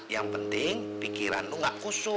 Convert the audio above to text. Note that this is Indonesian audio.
yang penting pikiran lo gak kusut